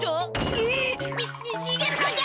げっ！にににげるのじゃ。